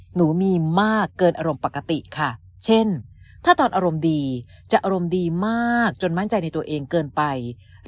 หนูมีมากเกินอารมณ์ปกติค่ะเช่นถ้าตอนอารมณ์ดีจะอารมณ์ดีมากจนมั่นใจในตัวเองเกินไป